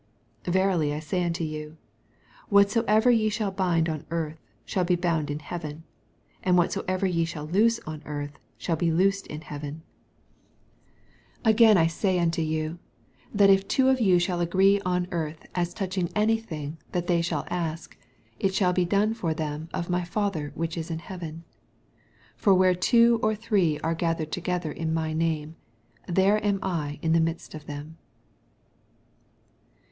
18 Verily I say unto you, Whatso ever ye shall bind on earth shall be bound in heaven : and whatsoever ye shall loose on earth shall be loosed in heaven. 19 Again J eay unto yoi^ That U 224 EXPOSITOBT THOUGHTS. two of yon sliflll agfree on earth as toadhing any thing that they shall %»k. it anall be done for them of my Fatnor which ia in heaven. SO For where two or fhrec gathered together in my name, (.here am lin the midst of them.